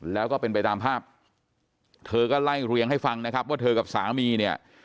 แล้วก็เป็นไปตามภาพเธอก็ไล่เรียงให้ฟังนะครับว่าเธอกับสามีเนี่ย